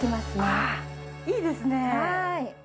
あっいいですね！